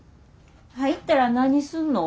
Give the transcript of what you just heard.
入ったら何すんの？